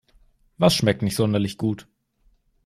Was schmeckt nicht sonderlich gut?